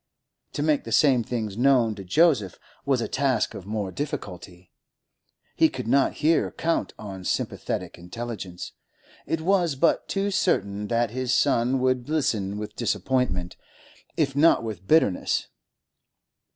To make the same things known to Joseph was a task of more difficulty. He could not here count on sympathetic intelligence; it was but too certain that his son would listen with disappointment, if not with bitterness.